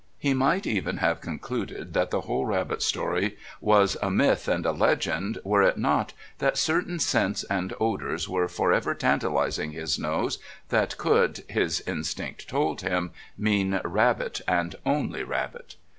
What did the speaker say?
He might even have concluded that the whole Rabbit story was a myth and a legend were it not that certain scents and odours were for ever tantalising his nose that could, his instinct told him, mean Rabbit and only Rabbit.